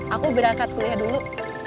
aku berangkat kuliah dulu